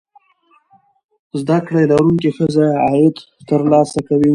زده کړې لرونکې ښځې عاید ترلاسه کوي.